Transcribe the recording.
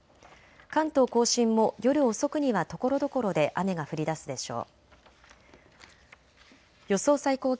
関東甲信も夜遅くにはところどころで雨が降りだすでしょう。